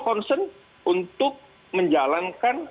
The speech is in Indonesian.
concern untuk menjalankan